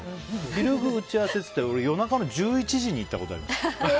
軽く打ち合わせって夜中の１１時に行ったことあります。